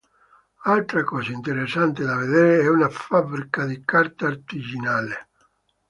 Altra cosa interessante da vedere è una fabbrica di carta artigianale.